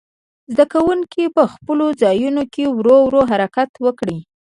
زده کوونکي په خپلو ځایونو کې ورو ورو حرکت وکړي.